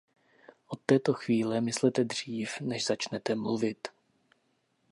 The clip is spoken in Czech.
Od této chvíle myslete dřív, než začnete mluvit!